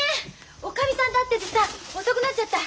おかみさんと会っててさ遅くなっちゃった。